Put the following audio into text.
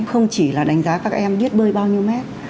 không chỉ là đánh giá các em biết bơi bao nhiêu mét